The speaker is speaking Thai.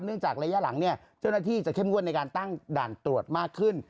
จากระยะหลังเนี่ยเจ้าหน้าที่จะเข้มงวดในการตั้งด่านตรวจมากขึ้น